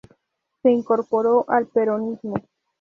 Se incorporó al peronismo.